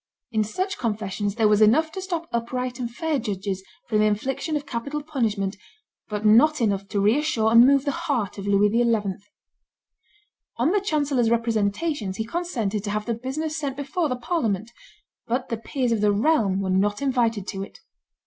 In such confessions there was enough to stop upright and fair judges from the infliction of capital punishment, but not enough to reassure and move the heart of Louis XI. On the chancellor's representations he consented to have the business sent before the parliament; but the peers of the realm were not invited to it.